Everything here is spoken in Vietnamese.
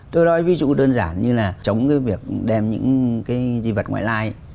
tôi nói ví dụ đơn giản như là chống cái việc đem những cái di vật ngoại lai